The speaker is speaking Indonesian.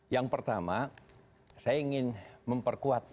yang pertama saya ingin memperkuat